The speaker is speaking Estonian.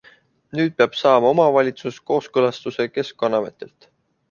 Nüüd peab saama omavalitsus kooskõlastuse keskkonnaametilt.